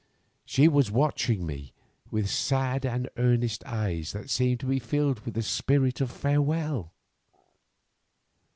She was watching me with sad and earnest eyes that seemed to be filled with the spirit of farewell.